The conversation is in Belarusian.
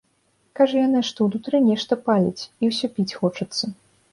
Кажа яна, што ўнутры нешта паліць і ўсё піць хочацца.